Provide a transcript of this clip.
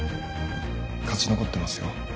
勝ち残ってますよ。